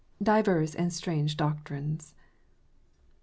DIVERS AND STRANGE DOCTRINES.